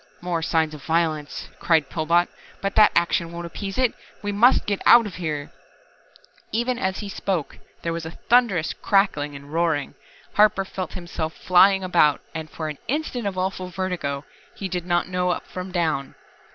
"More signs of violence," cried Pillbot. "But that action won't appease It we must get out of here " Even as he spoke there was a thunderous crackling and roaring. Harper felt himself flying about, and for an instant of awful vertigo he did not know up from down.